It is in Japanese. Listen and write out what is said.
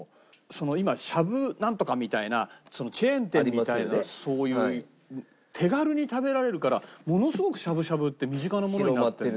今しゃぶなんとかみたいなチェーン店みたいなそういう手軽に食べられるからものすごくしゃぶしゃぶって身近なものになってる。